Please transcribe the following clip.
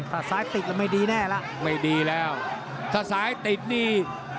ถ้าซ้ายติดแล้วไม่ดีแน่แล้วไม่ดีแล้วถ้าซ้ายติดนี่